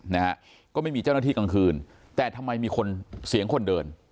นะฮะก็ไม่มีเจ้าหน้าที่กลางคืนแต่ทำไมมีคนเสียงคนเดิน